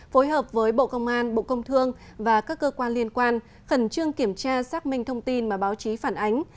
phối hợp với bộ công an bộ công thương và các cơ quan liên quan khẩn trương kiểm tra xác minh thông tin mà báo chí phản ánh